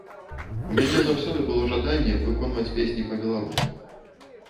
У мяне заўсёды было жаданне выконваць песні па-беларуску.